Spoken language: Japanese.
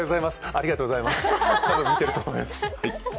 ありがとうございます。